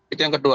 itu yang kedua